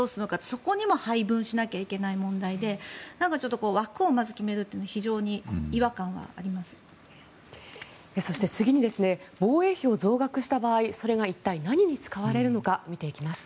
そこにも配分しなきゃいけない問題でまず枠を決めるというのはそして次に防衛費を増額した場合、それが一体何に使われるのか見ていきます。